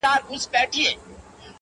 o څلوريځه؛